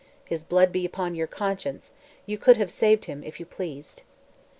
His blood be upon your conscience; you could have saved him if you pleased."